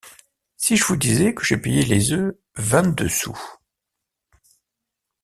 Si je vous disais que j’ai payé les œufs vingt-deux sous...